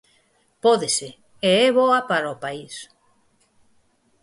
Pódese, e é boa para o país.